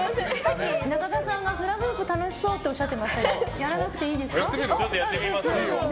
中田さんがフラフープ楽しそうっておっしゃってましたけどやらなくていいですか？